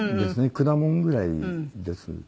果物ぐらいです。